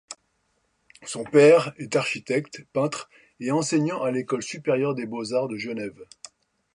Son père, est architecte, peintre et enseignant à l'École supérieure des beaux-arts de Genève.